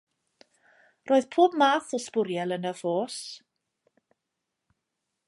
Roedd pob math o sbwriel yn y ffos.